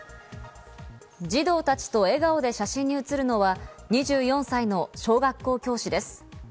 児童たちと笑顔で写真に写るのは２４歳の小学校教師です。